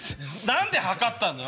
何で測ったんだ。